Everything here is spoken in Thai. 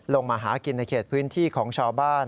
มาหากินในเขตพื้นที่ของชาวบ้าน